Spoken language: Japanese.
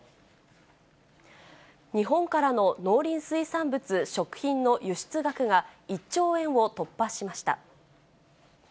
日本からの農林水産物・食品の輸出額が１兆円を突破しました。